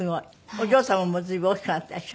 お嬢様も随分大きくなったでしょ？